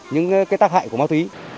những cái tác hại của ma túy